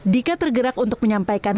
dika tergerak untuk menyampaikan